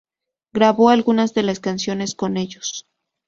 Grabó algunas de las canciones con ellos.